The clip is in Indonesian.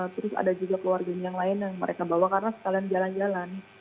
terus ada juga keluarganya yang lain yang mereka bawa karena sekalian jalan jalan